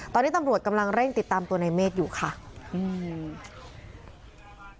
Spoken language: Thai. ตอนนี้ตำรวจกำลังเร่งติดตามตัวในเมฆอยู่ค่ะอืม